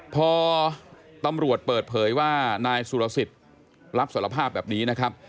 พอตำรวจเปิดเผยว่านายสุลศิษฐ์รับสารภาพแบบนี้